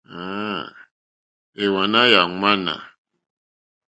Èwànâ yà ŋwánà.